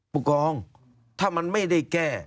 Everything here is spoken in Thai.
ผู้กองถ้ามันไม่ได้แก้